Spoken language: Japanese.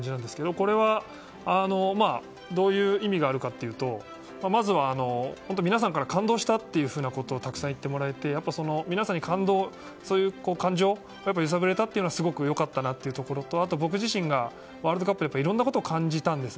これはどういう意味があるのかというとまずは皆さんから感動したとたくさん言ってもらえて皆さんのそういう感情を揺さぶれたのはすごく良かったなというところと僕自身がワールドカップでいろんなことを感じたんです。